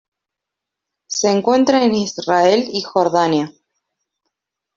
Se encuentra en Israel y Jordania.